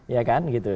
ya kan gitu